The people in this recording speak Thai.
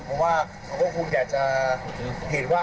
เพราะว่าเขาก็คงอยากจะเห็นว่า